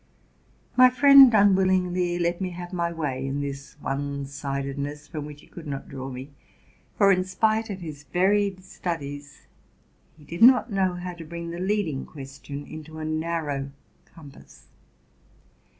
My friend unwil lingly let me have my way in this one sidedness, from which he could not draw me; for, in spite of his varied studies, he did not know how to bring the leading question into a narrow compass.